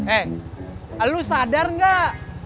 eh lu sadar gak